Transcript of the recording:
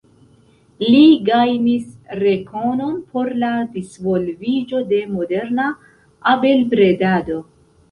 Li gajnis rekonon por la disvolviĝo de moderna abelbredado.